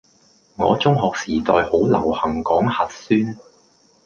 我中學時代好流行講核酸